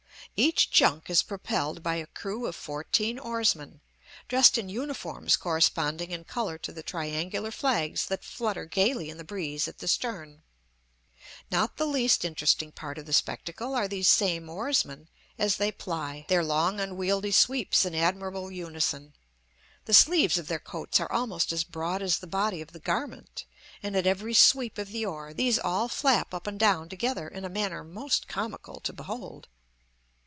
Each junk is propelled by a crew of fourteen oarsmen, dressed in uniforms corresponding in color to the triangular flags that flutter gayly in the breeze at the stern. Not the least interesting part of the spectacle are these same oarsmen, as they ply. their long unwieldy sweeps in admirable unison; the sleeves of their coats are almost as broad as the body of the garment, and at every sweep of the oar these all flap up and down together in a manner most comical to behold.